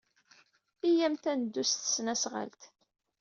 Iyyat ad neddu s tesnasɣalt.